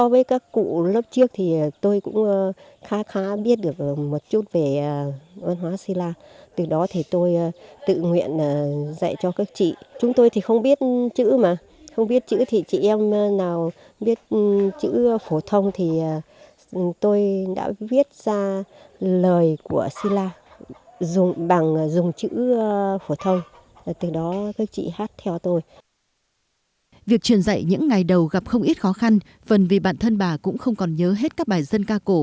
việc truyền dạy những ngày đầu gặp không ít khó khăn phần vì bản thân bà cũng không còn nhớ hết các bài dân ca cổ